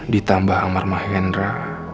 ditambah amar mahendra